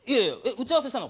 打ち合わせしたの？